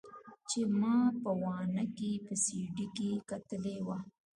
چې ما په واڼه کښې په سي ډي کښې کتلې وه.